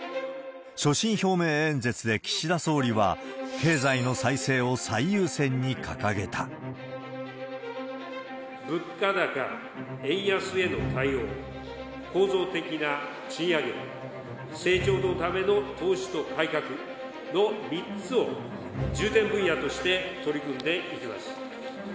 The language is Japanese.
所信表明演説で岸田総理は、物価高、円安への対応、構造的な賃上げ、成長のための投資と改革の３つを重点分野として取り組んでいきます。